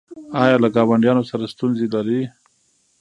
ایا له ګاونډیانو سره ستونزې لرئ؟